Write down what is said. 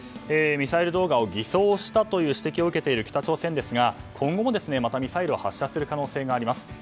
ミサイル動画を偽装したという指摘を受けている北朝鮮ですが今後もまたミサイルを発射する可能性があります。